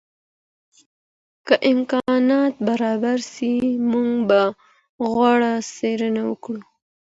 که امکانات برابر سي موږ به غوره څېړني وکړو.